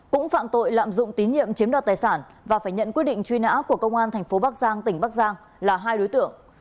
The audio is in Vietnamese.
cũng phạm tội lạm dụng tín nhiệm chiếm đoạt tài sản và phải nhận quyết định truy nã của công an thành phố bắc giang tỉnh bắc giang là hai đối tượng